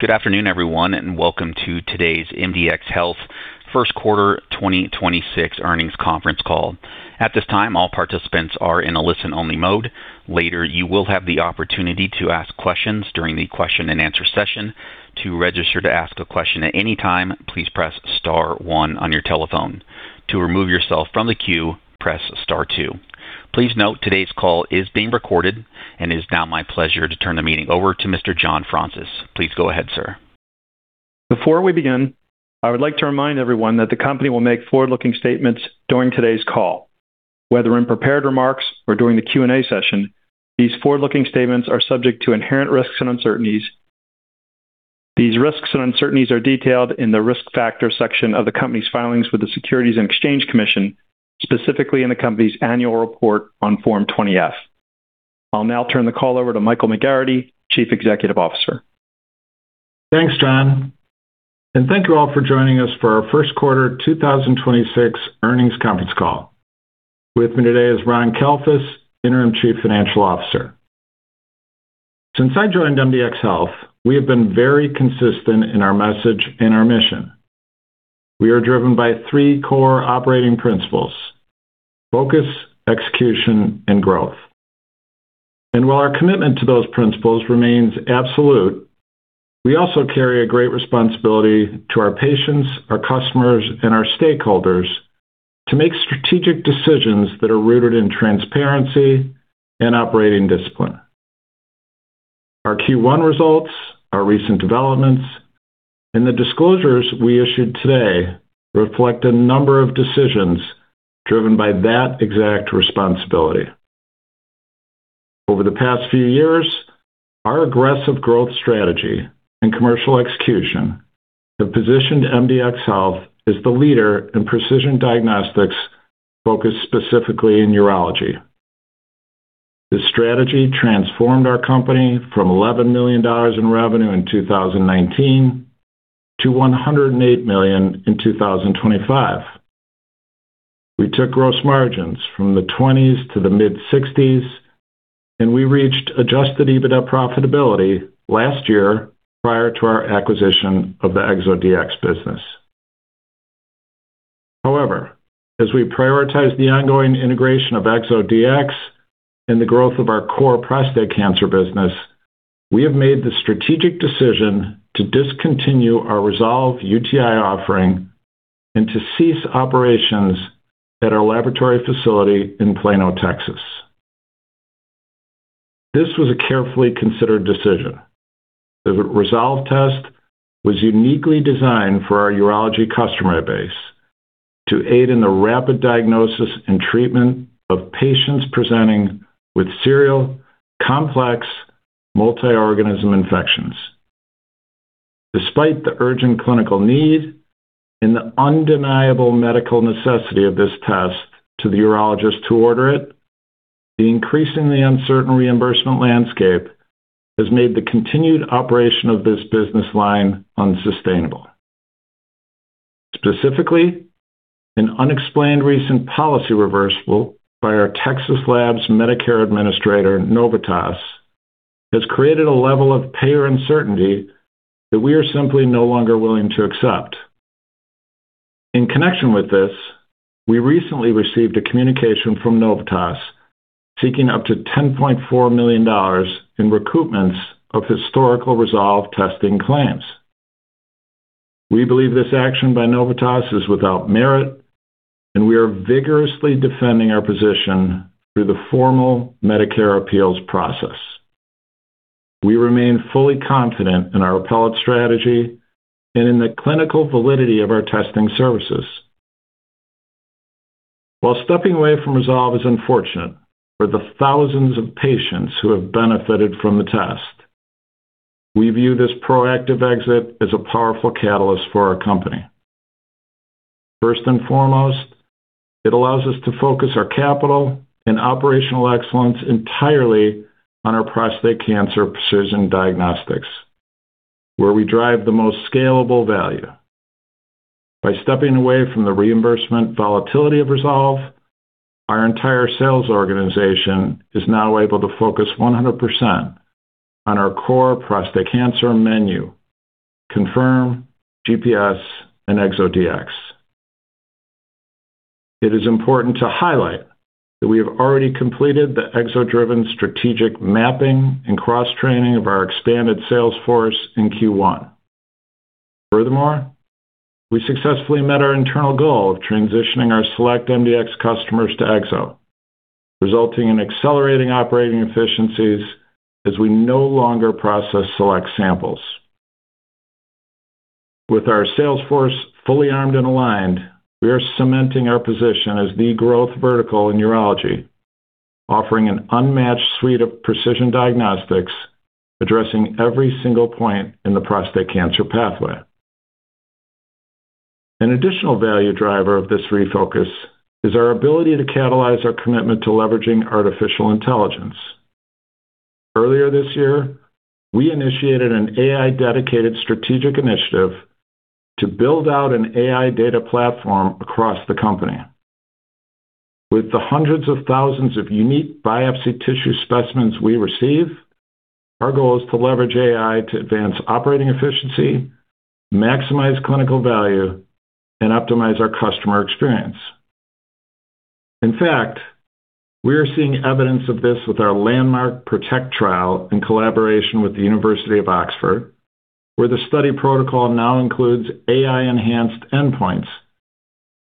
Good afternoon, everyone, welcome to today's MDxHealth First Quarter 2026 Earnings Conference Call. At this time, all participants are in a listen-only mode. Later, you will have the opportunity to ask questions during the question-and-answer session. To register to ask a question at any time, please press star one on your telephone. To remove yourself from the queue, press star two. Please note today's call is being recorded. It is now my pleasure to turn the meeting over to Mr. John Fraunces. Please go ahead, sir. Before we begin, I would like to remind everyone that the company will make forward-looking statements during today's call, whether in prepared remarks or during the Q&A session. These forward-looking statements are subject to inherent risks and uncertainties. These risks and uncertainties are detailed in the Risk Factors section of the company's filings with the Securities and Exchange Commission, specifically in the company's annual report on Form 20-F. I'll now turn the call over to Michael McGarrity, Chief Executive Officer. Thanks, John, and thank you all for joining us for our First Quarter 2026 Earnings Conference Call. With me today is Ron Kalfus, Interim Chief Financial Officer. Since I joined MDxHealth, we have been very consistent in our message and our mission. We are driven by three core operating principles: focus, execution, and growth. While our commitment to those principles remains absolute, we also carry a great responsibility to our patients, our customers, and our stakeholders to make strategic decisions that are rooted in transparency and operating discipline. Our Q1 results, our recent developments, and the disclosures we issued today reflect a number of decisions driven by that exact responsibility. Over the past few years, our aggressive growth strategy and commercial execution have positioned MDxHealth as the leader in precision diagnostics focused specifically in urology. This strategy transformed our company from $11 million in revenue in 2019 to $108 million in 2025. We took gross margins from the 2000s to the mid-1960s, and we reached adjusted EBITDA profitability last year prior to our acquisition of the ExoDx business. However, as we prioritize the ongoing integration of ExoDx and the growth of our core prostate cancer business, we have made the strategic decision to discontinue our Resolve UTI offering and to cease operations at our laboratory facility in Plano, Texas. This was a carefully considered decision. The Resolve test was uniquely designed for our urology customer base to aid in the rapid diagnosis and treatment of patients presenting with serial complex multi-organism infections. Despite the urgent clinical need and the undeniable medical necessity of this test to the urologist to order it, the increasingly uncertain reimbursement landscape has made the continued operation of this business line unsustainable. Specifically, an unexplained recent policy reversal by our Texas Medicare Administrator, Novitas, has created a level of payer uncertainty that we are simply no longer willing to accept. In connection with this, we recently received a communication from Novitas seeking up to $10.4 million in recoupments of historical Resolve testing claims. We believe this action by Novitas is without merit, and we are vigorously defending our position through the formal Medicare appeals process. We remain fully confident in our appellate strategy and in the clinical validity of our testing services. While stepping away from Resolve is unfortunate for the thousands of patients who have have benefited from the test, we view this proactive exit as a powerful catalyst for our company. First and foremost, it allows us to focus our capital and operational excellence entirely on our prostate cancer precision diagnostics, where we drive the most scalable value. By stepping away from the reimbursement volatility of Resolve, our entire sales organization is now able to focus 100% on our core prostate cancer menu: Confirm, GPS, and ExoDx. It is important to highlight that we have already completed the Exo-driven strategic mapping and cross-training of our expanded sales force in Q1. Furthermore, we successfully met our internal goal of transitioning our SelectMDx customers to Exo, resulting in accelerating operating efficiencies as we no longer process Select samples. With our sales force fully armed and aligned, we are cementing our position as the growth vertical in urology, offering an unmatched suite of precision diagnostics addressing every single point in the prostate cancer pathway. An additional value driver of this refocus is our ability to catalyze our commitment to leveraging artificial intelligence. Earlier this year, we initiated an AI-dedicated strategic initiative to build out an an AI data platform across the company. With the hundreds of thousands of unique biopsy tissue specimens we receive, our goal is to leverage AI to advance operating efficiency, maximize clinical value, and optimize our customer experience. In fact, we are seeing evidence of this with our landmark ProtecT Trial in collaboration with the University of Oxford, where the study protocol now includes AI-enhanced endpoints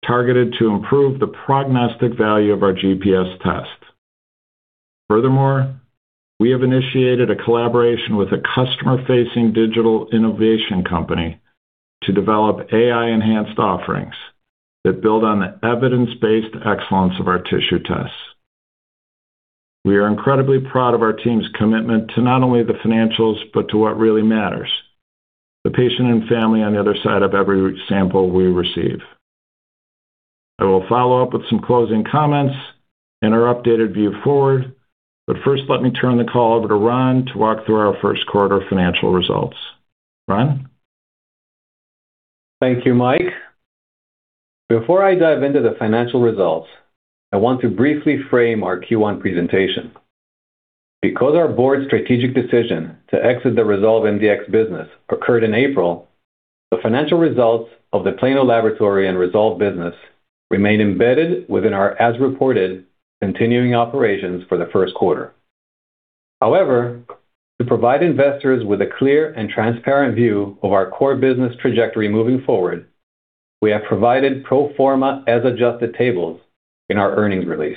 targeted to improve the prognostic value of our GPS test. Furthermore, we have initiated a collaboration with a customer-facing digital innovation company to develop AI-enhanced offerings that build on the evidence-based excellence of our tissue tests. We are incredibly proud of our team's commitment to not only the financials, but to what really matters, the patient and family on the other side of every sample we receive. I will follow up with some closing comments and our updated view forward. First, let me turn the call over to Ron to walk through our first quarter financial results. Ron? Thank you, Mike. Before I dive into the financial results, I want to briefly frame our Q1 presentation. Because our board's strategic decision to exit the Resolve MDx business occurred in April, the financial results of the Plano Laboratory and Resolve business remain embedded within our as-reported continuing operations for the first quarter. To provide investors with a clear and transparent view of our core business trajectory moving forward, we have provided pro forma as-adjusted tables in our earnings release.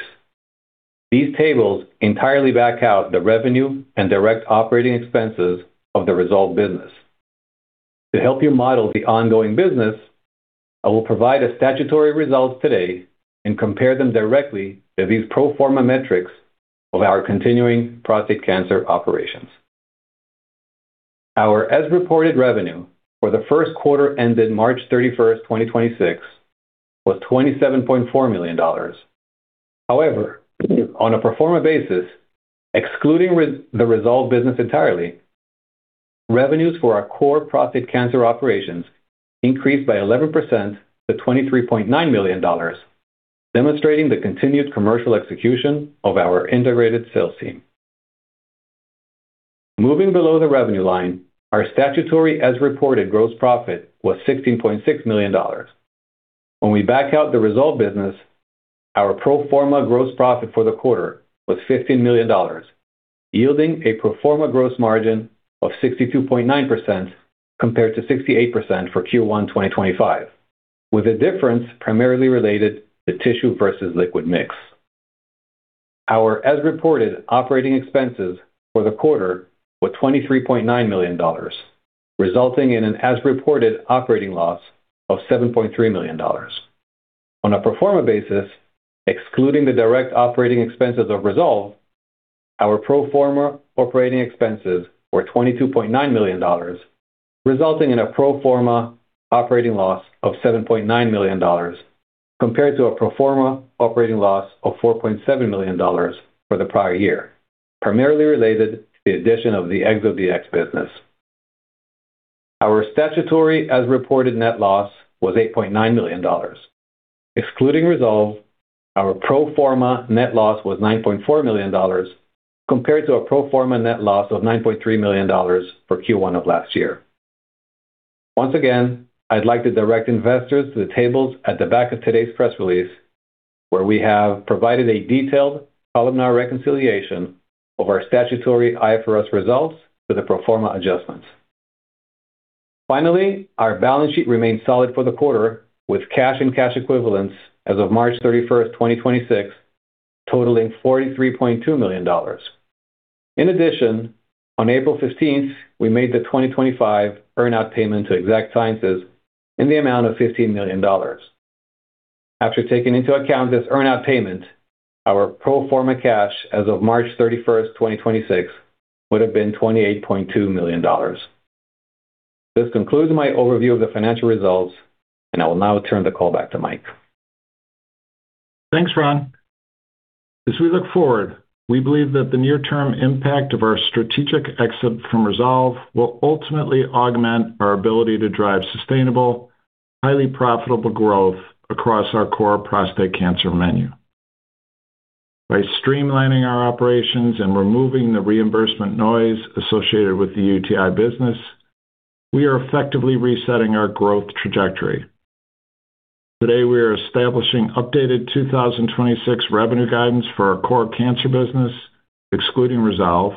These tables entirely back out the revenue and direct operating expenses of the Resolve business. To help you model the ongoing business, I will provide a statutory result today and compare them directly to these pro forma metrics of our continuing prostate cancer operations. Our as-reported revenue for the first quarter ended March 31, 2026, was $27.4 million. However, on a pro forma basis, excluding the Resolve business entirely, revenues for our core prostate cancer operations increased by 11% to $23.9 million, demonstrating the continued commercial execution of our integrated sales team. Moving below the revenue line, our statutory as-reported gross profit was $16.6 million. When we back out the Resolve business, our pro forma gross profit for the quarter was $15 million, yielding a pro forma gross margin of 62.9% compared to 68% for Q1 2025, with the difference primarily related to tissue versus liquid mix. Our as-reported operating expenses for the quarter were $23.9 million, resulting in an as-reported operating loss of $7.3 million. On a pro forma basis, excluding the direct operating expenses of Resolve, our pro forma operating expenses were $22.9 million, resulting in a pro forma operating loss of $7.9 million compared to a pro forma operating loss of $4.7 million for the prior year, primarily related to the addition of the ExoDx business. Our statutory as-reported net loss was $8.9 million. Excluding Resolve, our pro forma net loss was $9.4 million compared to a pro forma net loss of $9.3 million for Q1 of last year. Once again, I'd like to direct investors to the tables at the back of today's press release, where we have provided a detailed preliminary reconciliation of our statutory for the pro forma adjustments. Finally, our balance sheet remained solid for the quarter, with cash and cash equivalents as of March 31st, 2026 totaling $43.2 million. In addition, on April 15th, we made the 2025 earn-out payment to Exact Sciences in the amount of $15 million. After taking into account this earn-out payment, our pro forma cash as of March 31st, 2026 would have been $28.2 million. This concludes my overview of the financial results, and I will now turn the call back to Mike. Thanks, Ron. As we look forward, we believe that the near-term impact of our strategic exit from Resolve will ultimately augment our ability to drive sustainable, highly profitable growth across our core prostate cancer menu. By streamlining our operations and removing the reimbursement noise associated with the UTI business, we are effectively resetting our growth trajectory. Today, we are establishing updated 2026 revenue guidance for our core cancer business, excluding Resolve,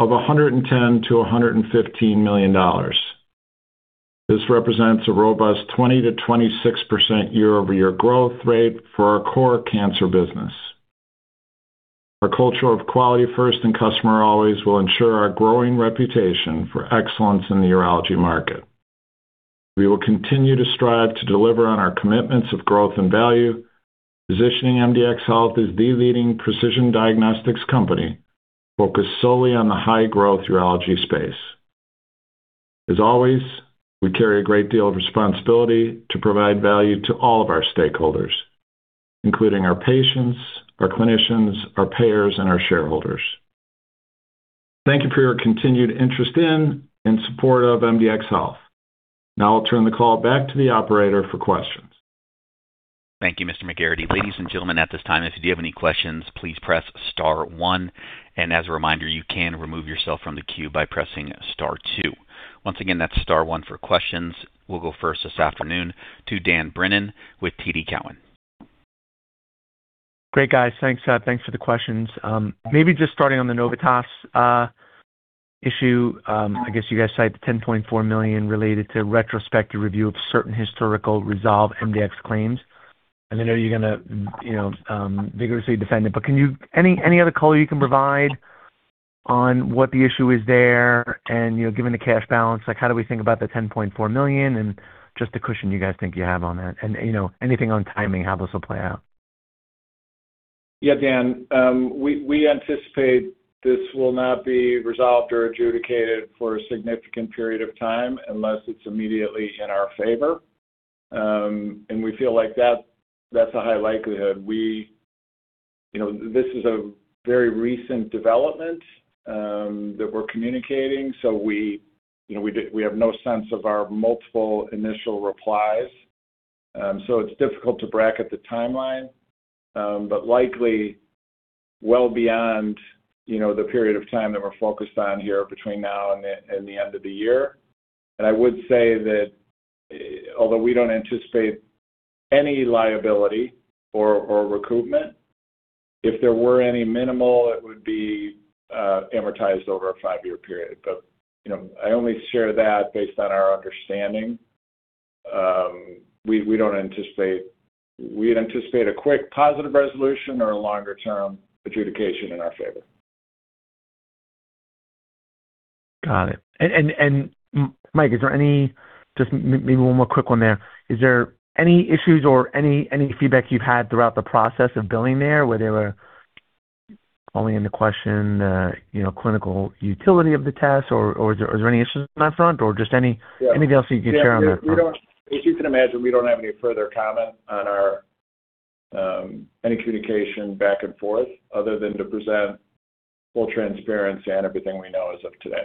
of $110 million-$115 million. This represents a robust 20%-26% year-over-year growth rate for our core cancer business. Our culture of quality first and customer always will ensure our growing reputation for excellence in the urology market. We will continue to strive to deliver on our commitments of growth and value, positioning MDxHealth as the leading precision diagnostics company focused solely on the high-growth urology space. As always, we carry a great deal of responsibility to provide value to all of our stakeholders, including our patients, our clinicians, our payers, and our shareholders. Thank you for your continued interest in and support of MDxHealth. Now I'll turn the call back to the operator for questions. Thank you, Mr. McGarrity. Ladies and gentlemen, at this time, if you have any questions, please press star one. As a reminder, you can remove yourself from the queue by pressing star two. Once again, that's star 1 for questions. We'll go first this afternoon to Dan Brennan with TD Cowen. Great, guys. Thanks, thanks for the questions. Maybe just starting on the Novitas issue. I guess you guys cited $10.4 million related to retrospective review of certain historical Resolve MDx claims. I know you're gonna, you know, vigorously defend it, but can you any other color you can provide on what the issue is there and, you know, given the cash balance, like, how do we think about the $10.4 million and just the cushion you guys think you have on that? You know, anything on timing, how this will play out. Yeah, Dan. We anticipate this will not be resolved or adjudicated for a significant period of time unless it's immediately in our favor. We feel like that's a high likelihood. We, you know, this is a very recent development that we're communicating, so we, you know, we have no sense of our multiple initial replies. So it's difficult to bracket the timeline. But likely well beyond, you know, the period of time that we're focused on here between now and the end of the year. I would say that although we don't anticipate any liability or recoupment, if there were any minimal, it would be amortized over a five-year period. You know, I only share that based on our understanding. We'd anticipate a quick positive resolution or a longer-term adjudication in our favor. Got it. Mike, is there any Just maybe one more quick one there? Is there any issues or any feedback you've had throughout the process of billing there, where they were calling into question, you know, clinical utility of the test, or is there any issues on that front? Yeah. Anything else that you can share on that front? Yeah, as you can imagine, we don't have any further comment on our any communication back and forth other than to present full transparency on everything we know as of today.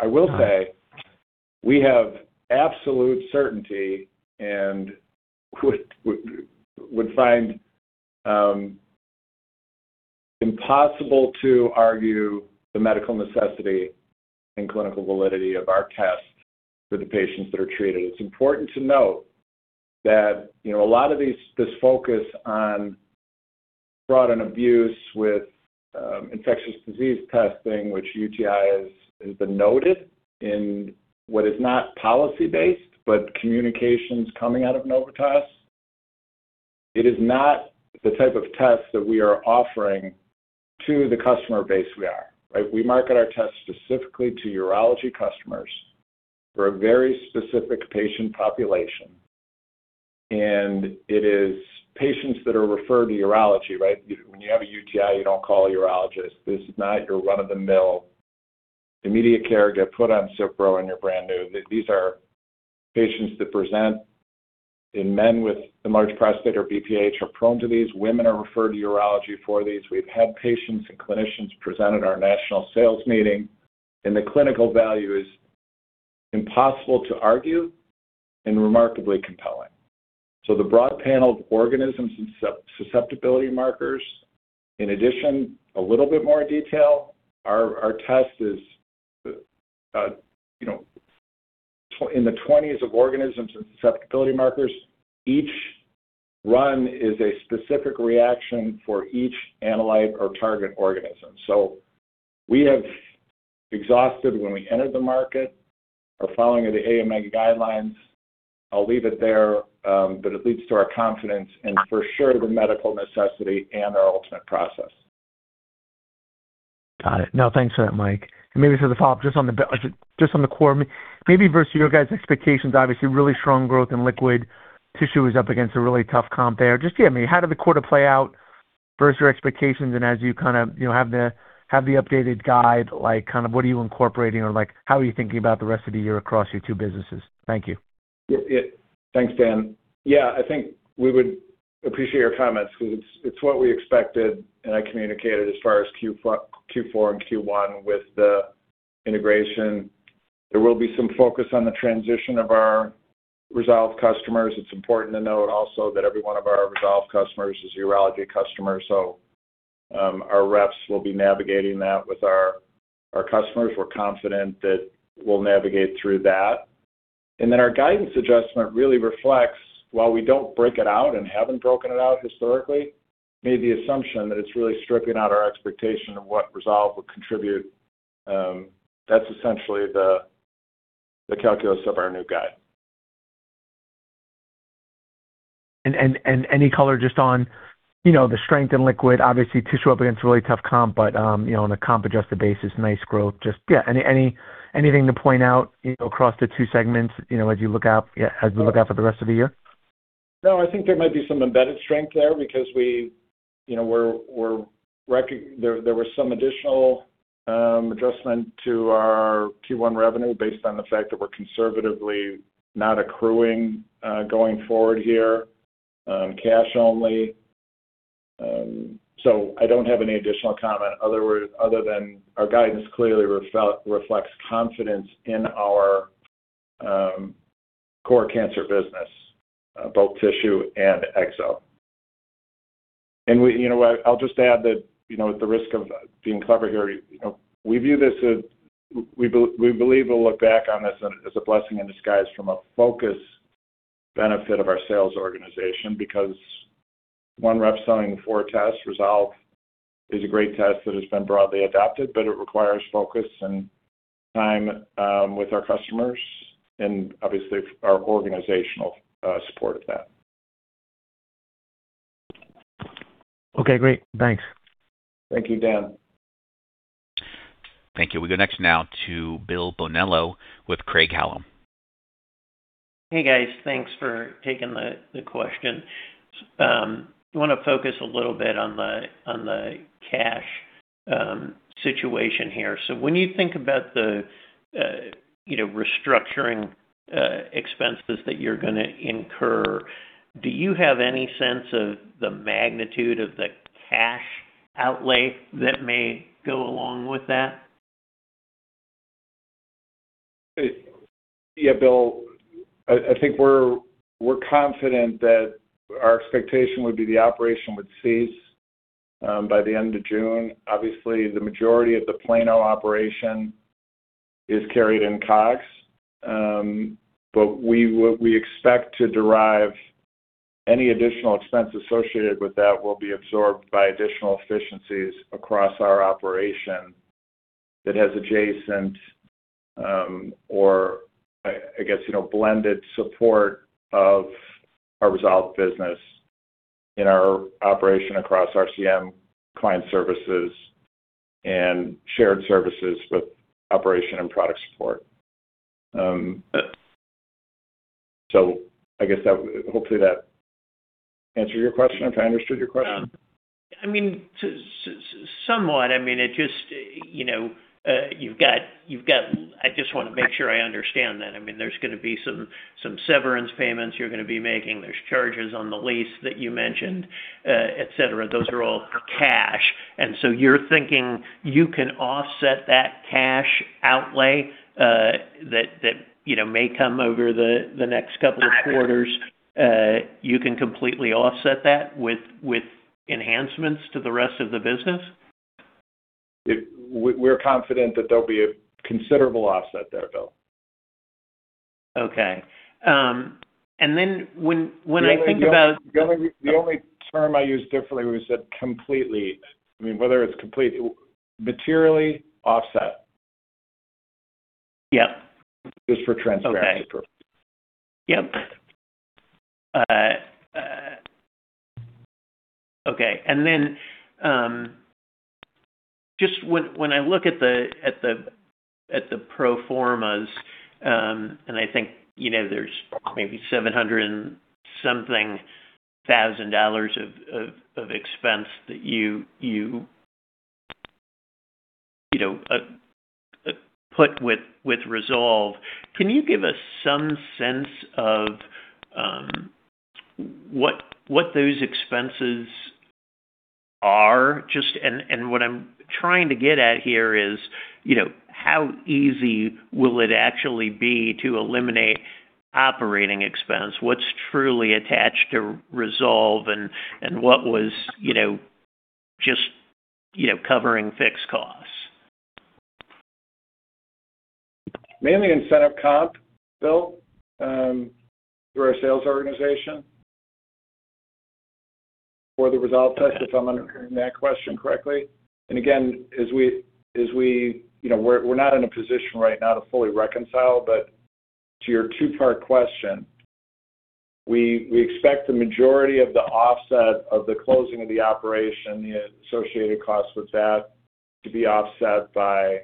I will say we have absolute certainty and would find impossible to argue the medical necessity and clinical validity of our tests for the patients that are treated. It's important to note that, you know, a lot of this focus on fraud and abuse with infectious disease testing, which UTI has been noted in what is not policy-based, but communications coming out of Novitas. It is not the type of test that we are offering to the customer base we are, right? We market our tests specifically to urology customers for a very specific patient population, it is patients that are referred to urology, right? When you have a UTI, you don't call a urologist. This is not your run-of-the-mill immediate care, get put on Cipro, and you're brand new. These are patients that present, in men with enlarged prostate or BPH are prone to these. Women are referred to urology for these. The clinical value is impossible to argue and remarkably compelling. The broad panel of organisms and susceptibility markers, in addition, a little bit more detail, our test is, you know, in the 20s of organisms and susceptibility markers. Each run is a specific reaction for each analyte or target organism. We have exhausted when we entered the market. We're following the AMA guidelines. I'll leave it there, it leads to our confidence and for sure the medical necessity and our ultimate process. Got it. No, thanks for that, Mike. Maybe for the follow-up, just on the quarter, maybe versus your guys' expectations, obviously really strong growth in liquid. Tissue is up against a really tough comp there. Just, yeah, I mean, how did the quarter play out versus your expectations? As you kinda, you know, have the updated guide, like, kind of what are you incorporating or, like, how are you thinking about the rest of the year across your two businesses? Thank you. Yeah, yeah. Thanks, Dan. Yeah, I think we would appreciate your comments because it's what we expected, and I communicated as far as Q4 and Q1 with the integration. There will be some focus on the transition of our Resolve customers. It's important to note also that every one of our Resolve customers is a urology customer, our reps will be navigating that with our customers. We're confident that we'll navigate through that. Our guidance adjustment really reflects, while we don't break it out and haven't broken it out historically, made the assumption that it's really stripping out our expectation of what Resolve would contribute. That's essentially the calculus of our new guide. Any color just on, you know, the strength in liquid, obviously, tissue up against a really tough comp, but, you know, on a comp-adjusted basis, nice growth, just anything to point out, you know, across the two segments, you know, as you look out, as we look out for the rest of the year? No, I think there might be some embedded strength there because we, you know, there were some additional adjustment to our Q1 revenue based on the fact that we're conservatively not accruing going forward here, cash only. I don't have any additional comment other than our guidance clearly reflects confidence in our core cancer business, both tissue and Exo. I'll just add that, you know, at the risk of being clever here, you know, we view this as we believe we'll look back on this as a blessing in disguise from a focus benefit of our sales organization because one rep selling four tests, Resolve is a great test that has been broadly adopted, but it requires focus and time with our customers and obviously our organizational support of that. Okay, great. Thanks. Thank you, Dan. Thank you. We go next now to Bill Bonello with Craig-Hallum. Hey, guys. Thanks for taking the question. Wanna focus a little bit on the cash situation here. When you think about the, you know, restructuring expenses that you're gonna incur, do you have any sense of the magnitude of the cash outlay that may go along with that? Yeah, Bill. I think we're confident that our expectation would be the operation would cease by the end of June. Obviously, the majority of the Plano operation is carried in COGS. But we expect to derive any additional expense associated with that will be absorbed by additional efficiencies across our operation that has adjacent, or I guess, you know, blended support of our Resolve business in our operation across RCM, client services, and shared services with operation and product support. I guess that hopefully that answered your question, if I understood your question. I mean, somewhat. I mean, it just, you know, you've got I just wanna make sure I understand then. I mean, there's gonna be some severance payments you're gonna be making. There's charges on the lease that you mentioned, et cetera. Those are all cash. You're thinking you can offset that cash outlay, that, you know, may come over the next couple of quarters. You can completely offset that with enhancements to the rest of the business? We're confident that there'll be a considerable offset there, Bill. Okay. The only term I used differently was that completely. I mean, whether it's complete materially offset. Yep. Just for transparency purposes. Okay. Yep. Okay. When I look at the pro formas, I think, you know, there's maybe 700 and something thousand dollars of expense that you know, put with Resolve, can you give us some sense of what those expenses are? What I'm trying to get at here is, you know, how easy will it actually be to eliminate operating expense? What's truly attached to Resolve, and what was, you know, just, you know, covering fixed costs? Mainly incentive comp, Bill, through our sales organization for the Resolve test, if I'm understanding that question correctly. Again, as we, you know, we're not in a position right now to fully reconcile, but to your two-part question, we expect the majority of the offset of the closing of the operation, the associated costs with that, to be offset by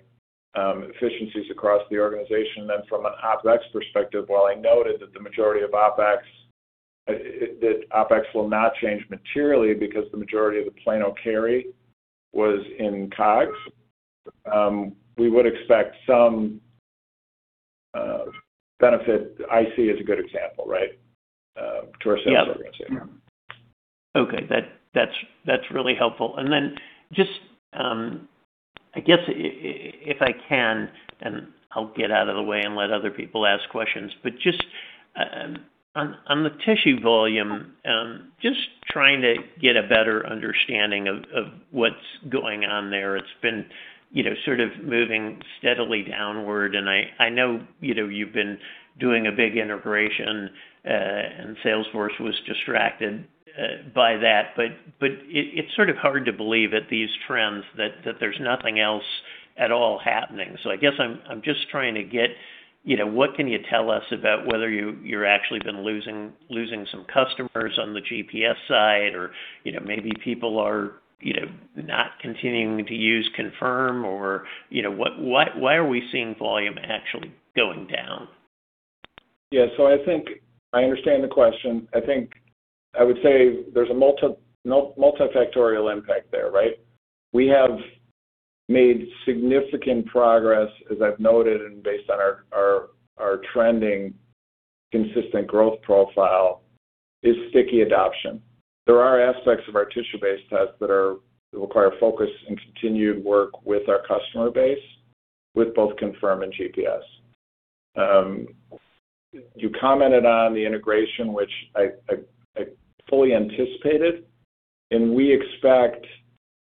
efficiencies across the organization. Then from an OpEx perspective, while I noted that the majority of OpEx, that OpEx will not change materially because the majority of the Plano carry was in COGS, we would expect some benefit IC as a good example, right? To our sales organization. Yeah. Yeah. Okay. That's really helpful. Just, I guess if I can, then I'll get out of the way and let other people ask questions. Just on the tissue volume, just trying to get a better understanding of what's going on there. It's been, you know, sort of moving steadily downward, and I know, you know, you've been doing a big integration, and sales force was distracted by that. It's sort of hard to believe that these trends, that there's nothing else at all happening. I guess I'm just trying to get, you know, what can you tell us about whether you're actually been losing some customers on the GPS side or, you know, maybe people are, you know, not continuing to use Confirm or, you know, what Why are we seeing volume actually going down? I think I understand the question. I think I would say there's a multifactorial impact there, right? We have made significant progress, as I've noted and based on our trending consistent growth profile, is sticky adoption. There are aspects of our tissue-based tests that require focus and continued work with our customer base with both Confirm and GPS. You commented on the integration, which I fully anticipated, and we expect,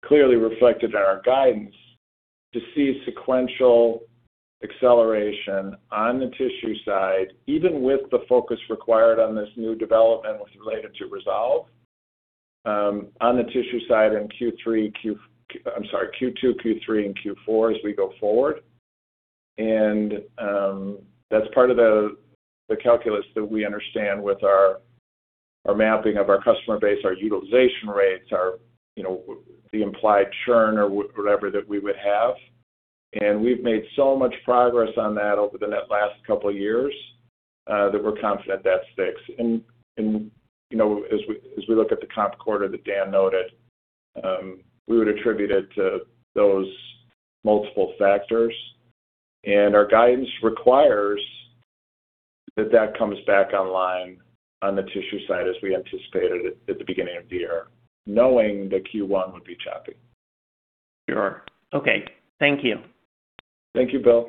clearly reflected in our guidance, to see sequential acceleration on the tissue side, even with the focus required on this new development related to Resolve, on the tissue side in Q3, Q2, Q3, and Q4 as we go forward. That's part of the calculus that we understand with our mapping of our customer base, our utilization rates, our, you know, the implied churn or whatever that we would have. We've made so much progress on that over the net last couple of years that we're confident that sticks. You know, as we look at the comp quarter that Dan noted, we would attribute it to those multiple factors. Our guidance requires that that comes back online on the tissue side as we anticipated at the beginning of the year, knowing that Q1 would be choppy. Sure. Okay. Thank you. Thank you, Bill.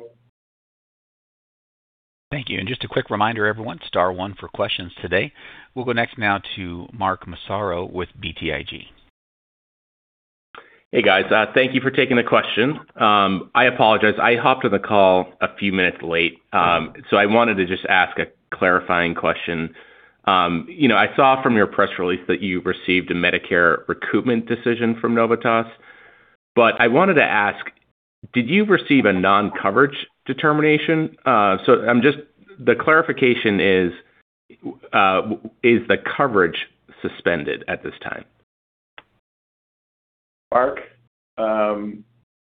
Thank you. Just a quick reminder, everyone, star one for questions today. We'll go next now to Mark Massaro with BTIG. Hey, guys. Thank you for taking the question. I apologize. I hopped on the call a few minutes late, so I wanted to just ask a clarifying question. You know, I saw from your press release that you received a Medicare recoupment decision from Novitas. I wanted to ask, did you receive a non-coverage determination? I'm just The clarification is the coverage suspended at this time? Mark,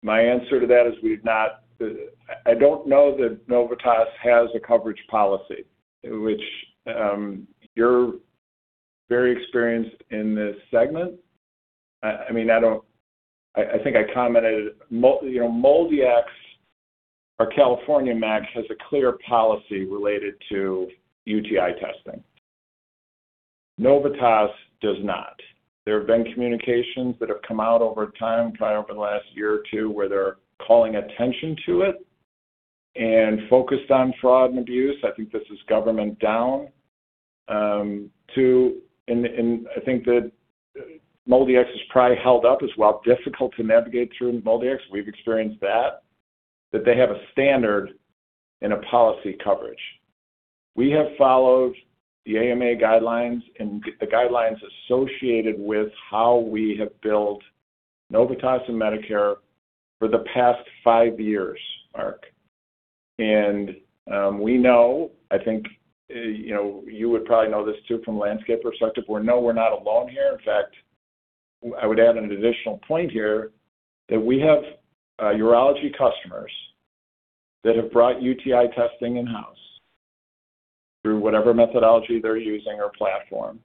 my answer to that is I don't know that Novitas has a coverage policy, which, you're very experienced in this segment. I mean, I think I commented, you know, MolDX or California MAC has a clear policy related to UTI testing. Novitas does not. There have been communications that have come out over time, probably over the last year or two, where they're calling attention to it and focused on fraud and abuse. I think this is government down. I think that MolDX has probably held up as well, difficult to navigate through MolDX. We've experienced that they have a standard and a policy coverage. We have followed the AMA guidelines and the guidelines associated with how we have built Novitas and Medicare for the past five years, Mark. We know, I think, you know, you would probably know this too from landscape perspective, we know we're not alone here. In fact, I would add an additional point here that we have urology customers that have brought UTI testing in-house through whatever methodology they're using or platform,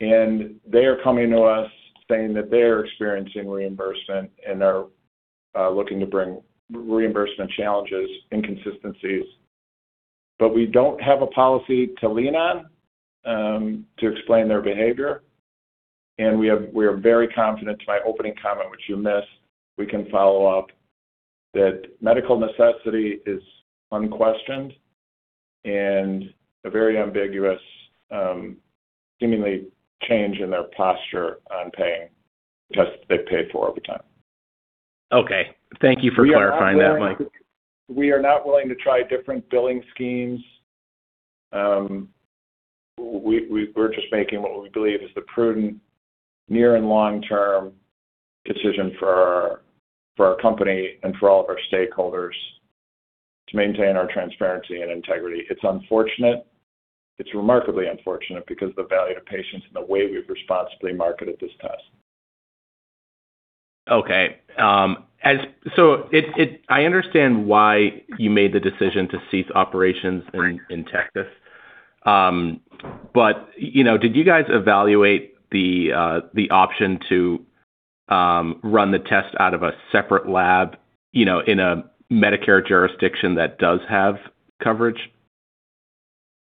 and they are coming to us saying that they're experiencing reimbursement and are looking to bring reimbursement challenges, inconsistencies. We don't have a policy to lean on to explain their behavior. We are very confident to my opening comment, which you missed, we can follow up, that medical necessity is unquestioned and a very ambiguous, seemingly change in their posture on paying tests they've paid for over time. Okay. Thank you for clarifying that, Mike. We are not willing to try different billing schemes. We're just making what we believe is the prudent near and long-term decision for our company and for all of our stakeholders to maintain our transparency and integrity. It's unfortunate. It's remarkably unfortunate because the value to patients and the way we've responsibly marketed this test. I understand why you made the decision to cease operations in Texas. You know, did you guys evaluate the option to run the test out of a separate lab, you know, in a Medicare jurisdiction that does have coverage?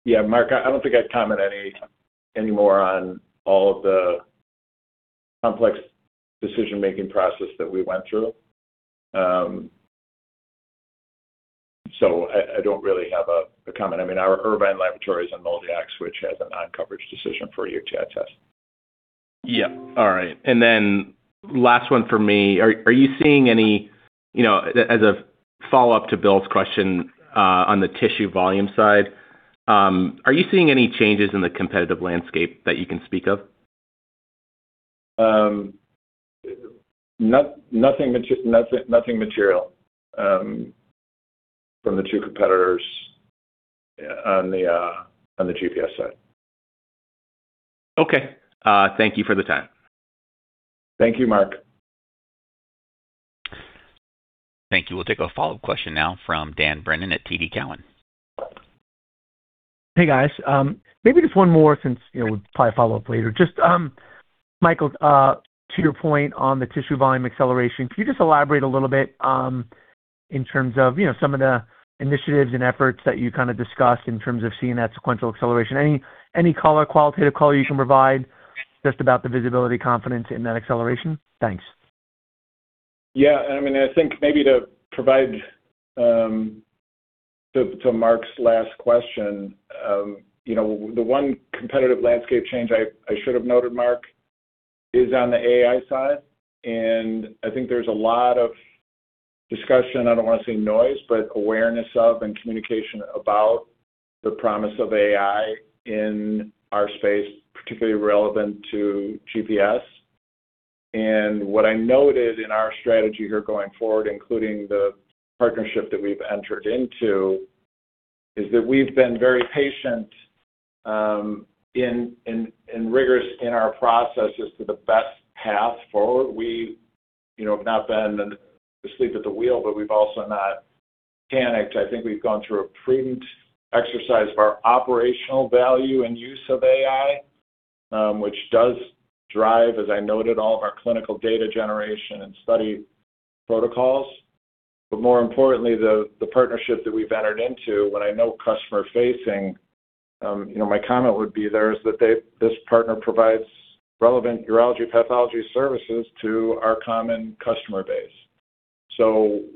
Yeah, Mark, I don't think I'd comment any more on all of the complex decision-making process that we went through. I don't really have a comment. I mean, our Irvine laboratories and MolDX, which has a non-coverage decision for UTI test. Yeah. All right. Last one for me. Are you seeing any, you know, as a follow-up to Bill's question, on the tissue volume side, are you seeing any changes in the competitive landscape that you can speak of? Nothing material from the two competitors on the GPS side. Okay. Thank you for the time. Thank you, Mark. Thank you. We'll take a follow-up question now from Dan Brennan at TD Cowen. Hey, guys. Maybe just one more since, you know, we'll probably follow up later. Just, Michael, to your point on the tissue volume acceleration, can you just elaborate a little bit in terms of, you know, some of the initiatives and efforts that you kinda discussed in terms of seeing that sequential acceleration? Any color, qualitative color you can provide just about the visibility confidence in that acceleration? Thanks. Yeah. I mean, I think maybe to provide to Mark's last question, you know, the one competitive landscape change I should have noted, Mark, is on the AI side. I think there's a lot of discussion, I don't wanna say noise, but awareness of and communication about the promise of AI in our space, particularly relevant to GPS. What I noted in our strategy here going forward, including the partnership that we've entered into, is that we've been very patient in rigorous in our processes to the best path forward. We, you know, have not been asleep at the wheel, but we've also not panicked. I think we've gone through a prudent exercise of our operational value and use of AI, which does drive, as I noted, all of our clinical data generation and study protocols. More importantly, the partnership that we've entered into, when I know customer-facing, you know, my comment would be there is that this partner provides relevant urology pathology services to our common customer base.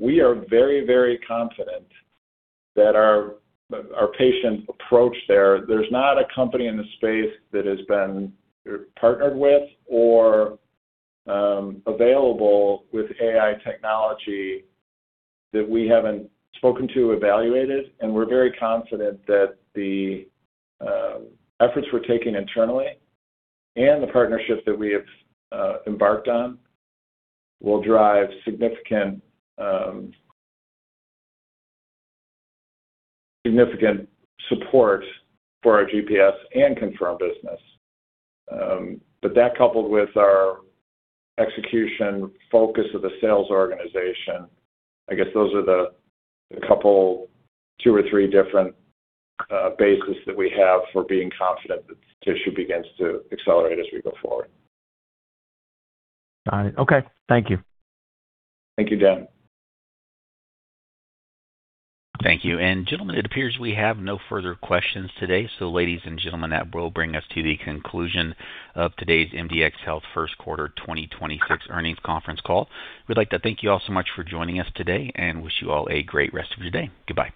We are very, very confident that our patient approach there's not a company in the space that has been partnered with or available with AI technology that we haven't spoken to, evaluated. We're very confident that the efforts we're taking internally and the partnerships that we have embarked on will drive significant support for our GPS and Confirm business. That coupled with our execution focus of the sales organization, I guess those are the couple, two or three different bases that we have for being confident that the tissue begins to accelerate as we go forward. Got it. Okay. Thank you. Thank you, Dan. Thank you. Gentlemen, it appears we have no further questions today. Ladies and gentlemen, that will bring us to the conclusion of today's MDxHealth First Quarter 2026 Earnings Conference Call. We'd like to thank you all so much for joining us today and wish you all a great rest of your day. Goodbye.